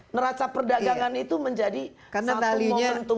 neraca perdagangan itu menjadi satu momentum